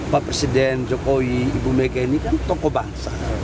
pak presiden jokowi ibu mega ini kan tokoh bangsa